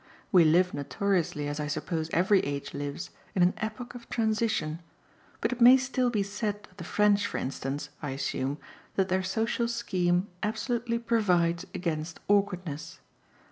We live notoriously, as I suppose every age lives, in an "epoch of transition"; but it may still be said of the French for instance, I assume, that their social scheme absolutely provides against awkwardness.